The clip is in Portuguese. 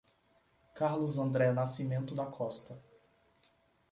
Carlos André Nascimento da Costa